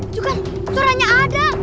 jukan suaranya ada